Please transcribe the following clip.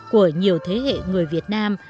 của nhiều thế hệ người việt nam